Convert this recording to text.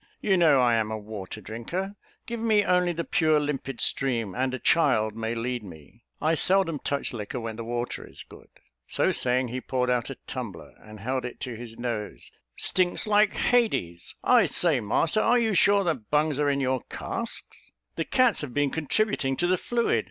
You know I am a water drinker; give me only the pure limpid stream, and a child may lead me. I seldom touch liquor when the water is good." So saying, he poured out a tumbler, and held it to his nose. "Stinks like h ! I say, master, are you sure the bungs are in your casks? The cats have been contributing to the fluid.